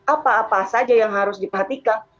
apa apa saja yang harus diperhatikan